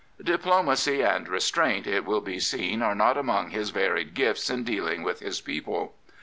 Diplomacy and restraint, it will be seen, are not among his varied gifts in dealing with his people.